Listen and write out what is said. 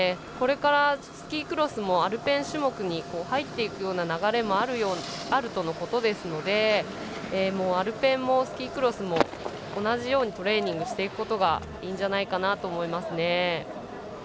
これからスキークロスもアルペン種目に入っていく流れもあるとのことですのでアルペンもスキークロスも同じようにトレーニングしていくのがいいんじゃないかなと思いますね。